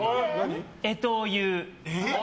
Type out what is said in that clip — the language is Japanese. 干支を言う。